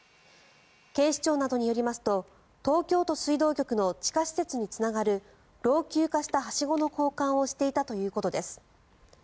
警視庁などによりますと東京都水道局の地下施設につながる老朽化したはしごの交換をしていたということです。